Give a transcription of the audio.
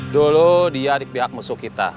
dulu dia dik pihak musuh kita